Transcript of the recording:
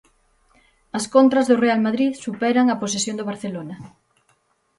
As contras do Real Madrid superan a posesión do Barcelona.